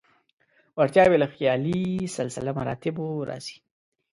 وړتیاوې له خیالي سلسله مراتبو راځي.